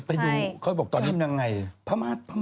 ไปดูเค้าบอกตอนนี้พระมาท